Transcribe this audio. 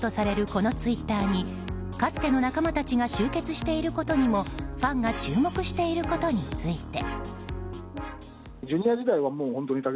このツイッターにかつての仲間たちが集結していることにもファンが注目していることについて。